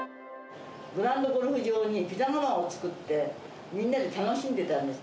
グラウンドゴルフ場にピザ窯を作って、みんなで楽しんでたんです。